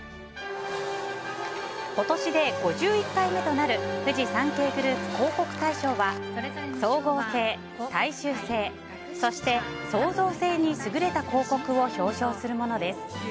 今年で５１回目となるフジサンケイグループ広告大賞は総合性、大衆性そして創造性に優れた広告を表彰するものです。